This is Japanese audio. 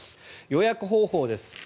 予約方法です。